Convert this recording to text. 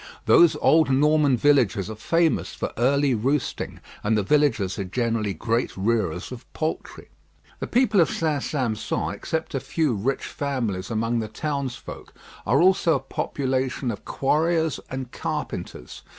Those old Norman villages are famous for early roosting, and the villagers are generally great rearers of poultry. The people of St. Sampson, except a few rich families among the townsfolk, are also a population of quarriers and carpenters.